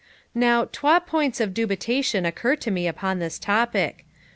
'Now, twa points of dubitation occur to me upon this topic.